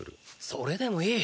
それでもいい。